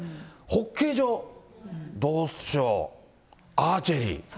ホッケー場、どうしよう、アーチェリー。